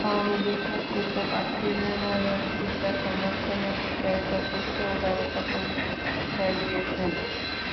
আওয়ামী লীগ নেতৃত্ব প্রার্থী মনোনয়ন কিংবা সমর্থনের বিষয়ে যথেষ্ট উদারতার পরিচয় দিয়েছেন।